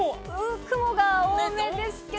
雲が多めですけど。